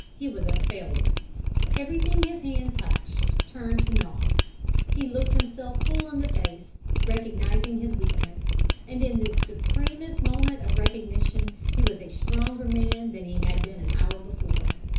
He was a failure. Everything his hand touched turned to naught. He looked himself full in the face, recognizing his weakness, and in this supremest moment of recognition he was a stronger man than he had been an hour before.